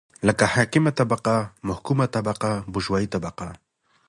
لکه حاکمه طبقه ،محکومه طبقه بوژوايي طبقه